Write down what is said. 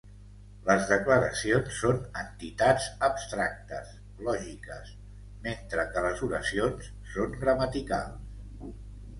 Les declaracions són entitats abstractes, lògiques, mentre que les oracions són gramaticals.